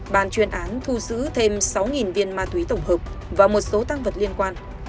bàn chuyên án thu giữ thêm sáu viên ma túy tổng hợp và một số tăng vật liên quan